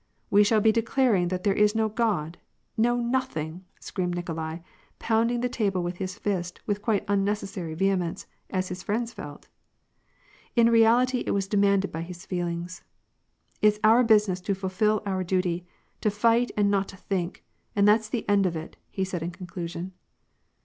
We shall be declaring that there is no God, no nothing !" screamed Nikolai, pound ing the table with his fist with quite unnecessary vehemence, as his friends felt ; in reality it was demanded by his feelings. " It's our business to fulfil our duty, to fight, and not to think, and that's the end of it," he said in conclusion.